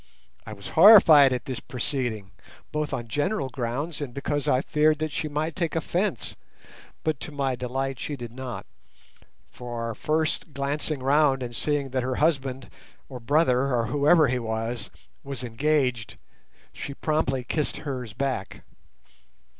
I was horrified at this proceeding, both on general grounds and because I feared that she might take offence, but to my delight she did not, for, first glancing round and seeing that her husband, or brother, or whoever he was, was engaged, she promptly kissed hers back.